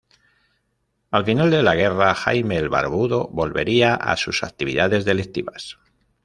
Al final de la guerra, Jaime el Barbudo volvería a sus actividades delictivas.